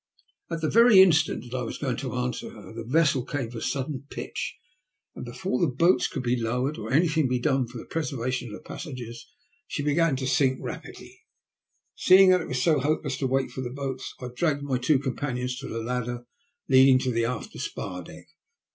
At the very instant that I was going to answer her the vessel gave a sudden pitch, and before the boats could be lowered or anything be done for the preservation of the passengers, she began to sink rapidly. Seeing that it was hopeless to wait for the boats, I dragged my two companions to the ladder leading to the after spar deck.